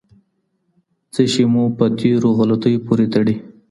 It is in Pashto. څه شی مو په تېرو غلطیو پوري تړي؟